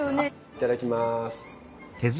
いただきます。